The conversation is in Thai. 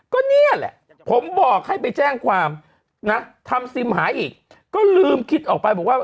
ก็เนี่ยแหละผมบอกให้ไปแจ้งความนะทำซิมหาอีกก็ลืมคิดออกไปบอกว่า